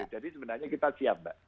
jadi sebenarnya kita siap mbak